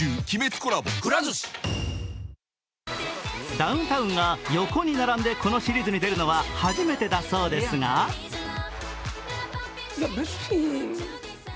ダウンタウンが横に並んでこのシリーズに出るのは初めてだそうですがＨｅｙ！